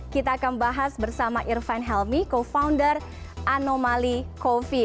kita akan bahas bersama irfan helmi co founder anomali coffee